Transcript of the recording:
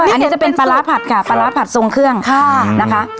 อันนี้จะเป็นปลาร้าผัดค่ะปลาร้าผัดทรงเครื่องค่ะนะคะ